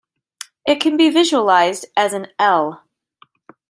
It can be visualised as an 'L'.